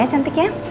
ya cantik ya